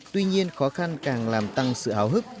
tuy nhiên khó khăn càng làm tăng sự áo hữu